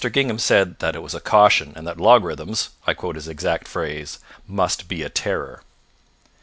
Gingham said that it was a caution, and that logarithms (I quote his exact phrase) must be a terror.